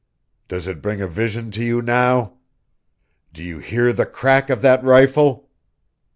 Does it bring a vision to you now? Do you hear the crack of that rifle?